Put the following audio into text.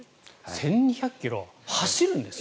１２００ｋｍ走るんですよ。